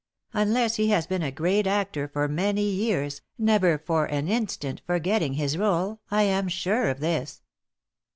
Unless he has been a great actor for many years, never for an instant forgetting his role, I'm sure of this."